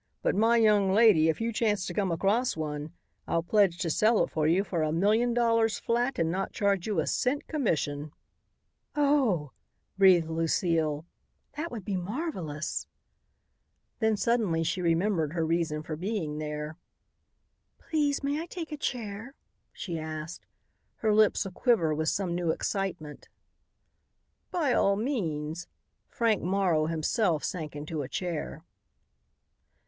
But, my young lady, if you chance to come across one, I'll pledge to sell it for you for a million dollars flat and not charge you a cent commission." "Oh!" breathed Lucile, "that would be marvelous." Then suddenly she remembered her reason for being there. "Please may I take a chair?" she asked, her lips aquiver with some new excitement. "By all means." Frank Morrow himself sank into a chair.